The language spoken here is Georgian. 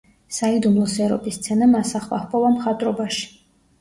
საიდუმლო სერობის სცენამ ასახვა ჰპოვა მხატვრობაში.